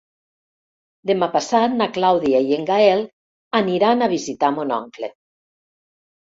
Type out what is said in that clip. Demà passat na Clàudia i en Gaël aniran a visitar mon oncle.